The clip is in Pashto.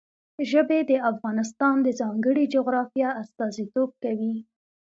ژبې د افغانستان د ځانګړي جغرافیه استازیتوب کوي.